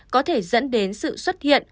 có thể dẫn đến sự xuất hiện